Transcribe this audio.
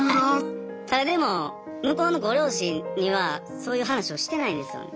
ただでも向こうのご両親にはそういう話をしてないんですよ。